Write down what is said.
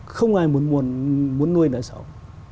không ai muốn nuôi nợ sầu